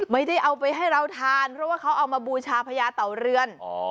ไม่ได้เอาไปให้เราทานเพราะว่าเขาเอามาบูชาพญาเต่าเรือน